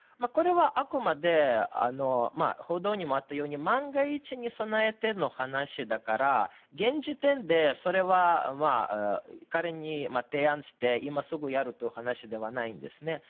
これは、あくまで報道にもあったように万が一に備えての話だから現時点でそれは彼に提案して今すぐやるという話ではないんですね。